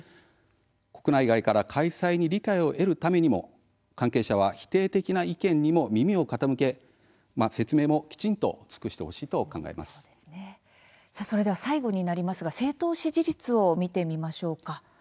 国内外から開催に理解を得るためにも関係者は否定的な意見にも耳を傾け説明もきちんと最後になりますが政党支持率を見てみましょうか。